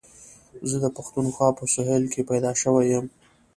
زه د پښتونخوا په سهېل کي پيدا شوی یم.